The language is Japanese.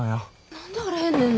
何であれへんねんな。